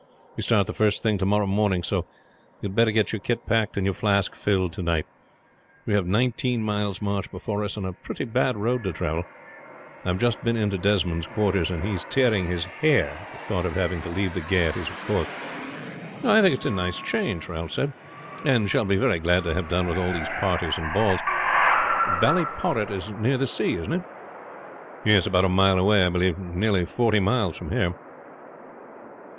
We start the first thing to morrow morning; so you had better get your kit packed and your flask filled to night. We have nineteen miles march before us, and a pretty bad road to travel. I have just been in to Desmond's quarters, and he is tearing his hair at the thought of having to leave the gayeties of Cork." "I think it is a nice change," Ralph said, "and shall be very glad to have done with all these parties and balls. Ballyporrit is near the sea, isn't it?" "Yes. About a mile away, I believe. Nearly forty miles from here."